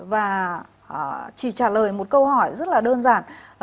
và chỉ trả lời một câu hỏi rất là đơn giản